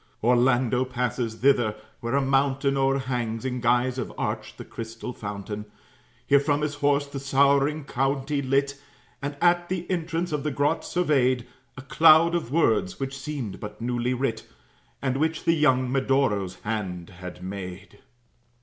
Orlando passes thither, where a mountain O'erhangs in guise of arch the crystal fountain. Here from his horse the sorrowing county lit, And at the entrance of the grot surveyed A cloud of words, which seemed but newly writ, And which the young Medoro's hand had made.